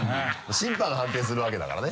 審判が判定するわけだからね。